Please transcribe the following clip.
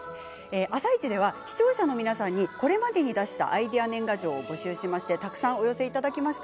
「あさイチ」では視聴者の皆さんにこれまでに出したアイデア年賀状を募集しましてたくさんお寄せいただきました。